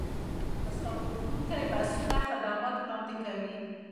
مسافروړونکي بسونه خدمات وړاندې کوي